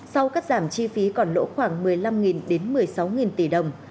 sau cắt giảm chi phí còn lỗ khoảng một mươi năm đến một mươi sáu tỷ đồng